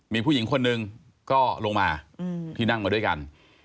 มีผู้หญิงคนหนึ่งก็ลงมาที่นั่งมาด้วยกัน